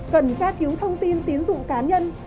cần tra cứu thông tin tín dụ cá nhân